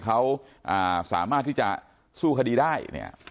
เขาสามารถที่จะสู้คดีได้เนี่ย